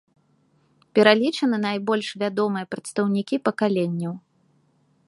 Пералічаны найбольш вядомыя прадстаўнікі пакаленняў.